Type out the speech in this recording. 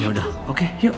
yaudah oke yuk